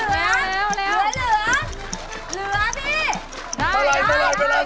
๔๐วินาที๘๐ชิ้น๑วินาทีต่อสองชิ้นนะครับ